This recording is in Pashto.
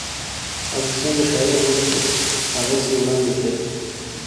او چې څنګه شاعر غوښتي هغسې يې وړاندې کړې